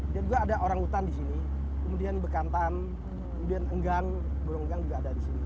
dan juga ada orang hutan di sini kemudian bekantan kemudian enggang burung enggang juga ada di sini